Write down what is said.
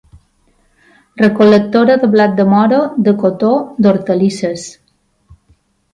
Recol·lectora de blat de moro, de cotó, d'hortalisses.